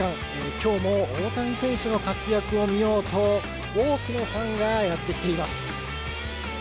きょうも大谷選手の活躍を見ようと、多くのファンがやって来ています。